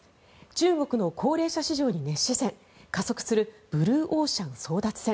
中国の高齢者市場に熱視線加速するブルーオーシャン争奪戦。